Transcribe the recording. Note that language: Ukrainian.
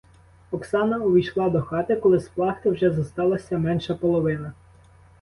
Оксана увійшла до хати, коли з плахти вже зосталася менша половина.